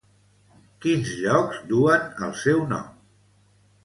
Quins llocs duen el seu nom?